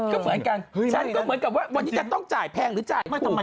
ก็เหมือนกันฉันก็เหมือนกับว่าวันนี้จะต้องจ่ายแพงหรือจ่ายมาทำไม